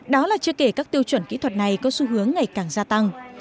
đó là chưa kể các tiêu chuẩn kỹ thuật này có xu hướng ngày càng gia tăng